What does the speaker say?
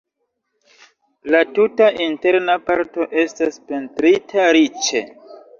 La tuta interna parto estas pentrita riĉe.